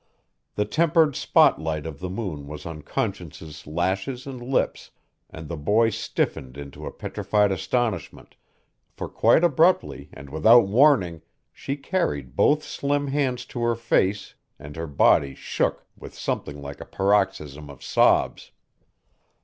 The tempered spot light of the moon was on Conscience's lashes and lips, and the boy stiffened into a petrified astonishment, for quite abruptly and without warning she carried both slim hands to her face and her body shook with something like a paroxysm of sobs.